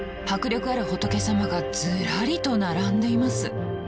迫力ある仏様がずらりと並んでいます。